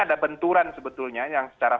ada benturan sebetulnya yang secara